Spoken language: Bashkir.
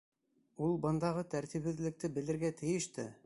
Ул бындағы тәртипһеҙлекте белергә тейеш тә.